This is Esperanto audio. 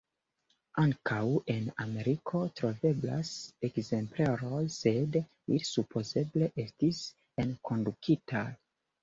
Ankaŭ en Ameriko troveblas ekzempleroj, sed ili supozeble estis enkondukitaj.